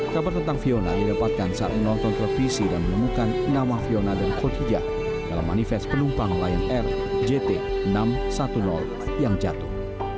kabar tentang fiona didapatkan saat menonton televisi dan menemukan nama fiona dan kotijah dalam manifest penumpang lion air jt enam ratus sepuluh yang jatuh